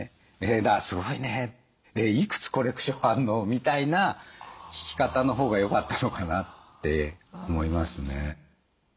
だから「すごいねいくつコレクションあるの？」みたいな聞き方のほうがよかったのかなって思いますね。